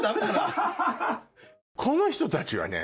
この人たちはね。